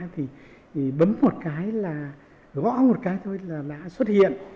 thì bấm một cái là gõ một cái thôi là đã xuất hiện